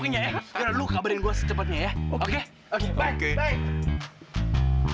yara lo kabarin gue secepatnya ya oke